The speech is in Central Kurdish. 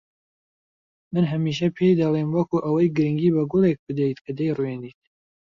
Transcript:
من هەمیشە پێی دەڵێم وەکو ئەوەی گرنگی بە گوڵێک بدەیت کە دەیڕوێنیت